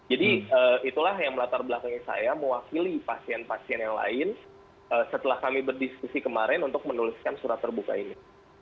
jadi itulah yang latar belakangnya saya mewakili pasien pasien yang lain setelah kami berdiskusi kemarin untuk menuliskan surat terbuka ini